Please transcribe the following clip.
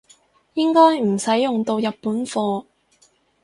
應該唔使用到日本貨